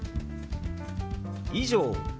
「以上」。